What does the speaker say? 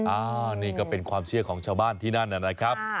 อันนี้ก็เป็นความเชื่อของชาวบ้านที่นั่นนะครับ